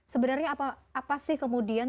sebenarnya apa sih kemudian